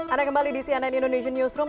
anda kembali di cnn indonesian newsroom